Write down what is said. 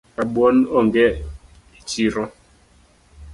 Rabuon onge echiro